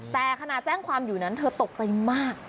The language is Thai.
แต่ขณะแจ้งความอยู่นั้นเธอตกใจมาก